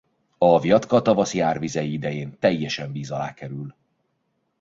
A Vjatka tavaszi árvizei idején teljesen víz alá kerül.